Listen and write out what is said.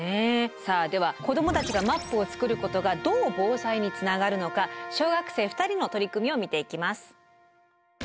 さあでは子どもたちがマップを作ることがどう防災につながるのか小学生２人の取り組みを見ていきます。